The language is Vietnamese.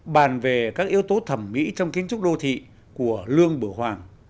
bàn về các yếu tố thẩm mỹ trong kiến trúc đô thị của lương bửu hoàng